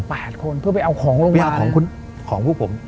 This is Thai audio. แปดคนเพื่อไปเอาของลงไปไปเอาของของพวกผมอืม